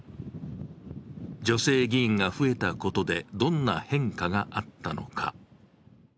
女性議員が増えたことでどんな変化があったのか。